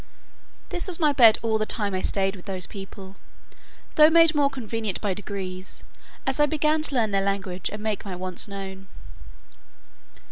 This was my bed all the time I staid with those people, though made more convenient by degrees, as I began to learn their language and make my wants known.